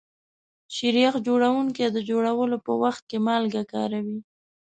شیریخ جوړونکي د جوړولو په وخت کې مالګه کاروي.